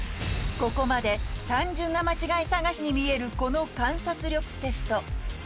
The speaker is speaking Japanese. ここまで単純な間違い探しにみえるこの観察力テスト